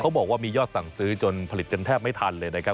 บอกว่ามียอดสั่งซื้อจนผลิตจนแทบไม่ทันเลยนะครับ